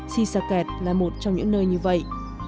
si sa kẹt là một trong những nơi như vậy